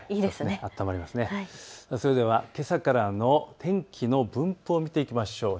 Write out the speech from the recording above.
それではけさからの天気の分布を見ていきましょう。